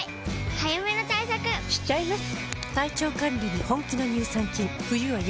早めの対策しちゃいます。